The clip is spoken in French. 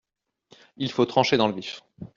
Il faut trancher dans le vif…